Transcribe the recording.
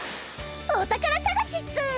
お宝探しっス！